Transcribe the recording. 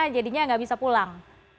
jadinya tidak bisa pulang